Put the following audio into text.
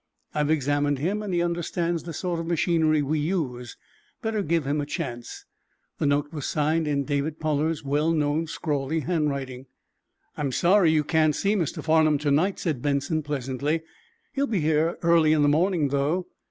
I've examined him, and he understands the sort of machinery we use. Better give him a chance." The note was signed in David Pollard's well known, scrawly handwriting. "I'm sorry you can't see Mr. Farnum to night," said Benson, pleasantly. "He'll be here early in the morning, though."